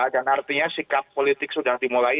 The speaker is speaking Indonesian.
dan artinya sikap politik sudah dimulai